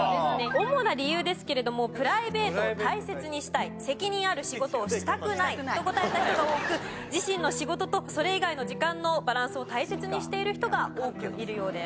主な理由ですけれどもプライベートを大切にしたい責任ある仕事をしたくないと答えた人が多く自身の仕事とそれ以外の時間のバランスを大切にしている人が多くいるようです。